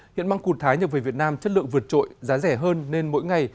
hiện măng cụt thái nhập về việt nam chất lượng vượt trội giá rẻ hơn nên mỗi ngày